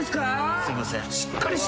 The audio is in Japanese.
すみません。